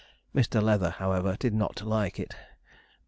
Mr. Leather, however, did not like it.